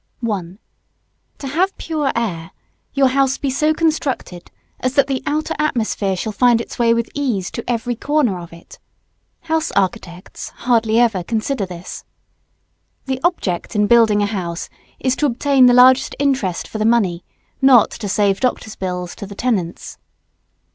[Sidenote: Pure air.] 1. To have pure air, your house be so constructed as that the outer atmosphere shall find its way with ease to every corner of it. House architects hardly ever consider this. The object in building a house is to obtain the largest interest for the money, not to save doctors' bills to the tenants.